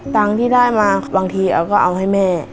ตังค์ที่ได้มาบางทีเอาก็เอาให้แม่